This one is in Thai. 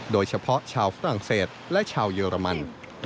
โดยเฉพาะชาวฝรั่งเศสและชาวเยอรมัน